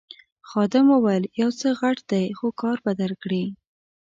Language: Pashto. خادم وویل یو څه غټ دی خو کار به درکړي.